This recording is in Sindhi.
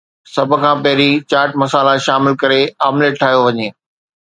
سڀ کان پهريان چاٽ مسالا شامل ڪري آمليٽ ٺاهيو وڃي